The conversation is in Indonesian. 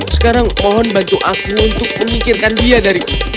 sekarang mohon bantu aku untuk memikirkan dia dari